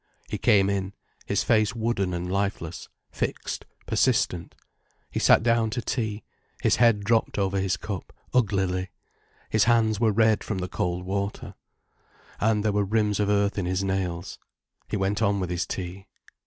He came in, his face wooden and lifeless, fixed, persistent. He sat down to tea, his head dropped over his cup, uglily. His hands were red from the cold water, and there were rims of earth in his nails. He went on with his tea.